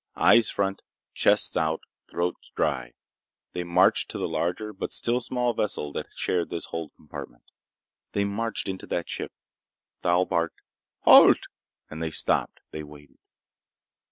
Eyes front, chests out, throats dry, they marched to the larger but still small vessel that shared this hold compartment. They marched into that ship. Thal barked, "Halt!" and they stopped. They waited.